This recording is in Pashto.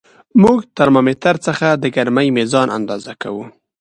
موږ د ترمامتر څخه د ګرمۍ میزان اندازه کوو.